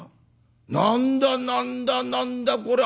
何だ何だ何だこりゃ。